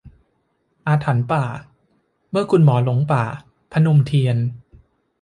อาถรรพณ์ป่า : เมื่อคุณหมอหลงป่า - พนมเทียน